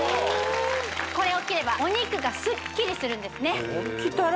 これを着ればお肉がスッキリするんですね